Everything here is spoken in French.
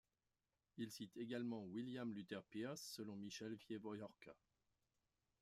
Il cite également William Luther Pierce, selon Michel Wieviorka.